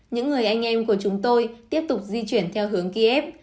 những người anh em của chúng tôi tiếp tục di chuyển theo hướng kiev